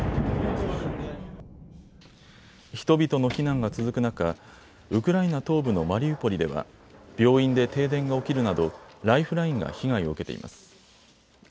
人々の避難が続く中、ウクライナ東部のマリウポリでは病院で停電が起きるなどライフラインが被害を受けています。